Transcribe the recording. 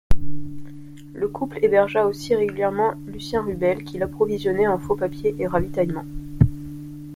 Le couple hébergea aussi régulièrement Lucien Rubel, qu'il approvisionnait en faux papiers et ravitaillement.